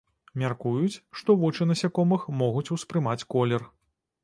Мяркуюць, што вочы насякомых могуць успрымаць колер.